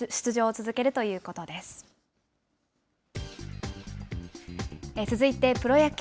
続いてプロ野球。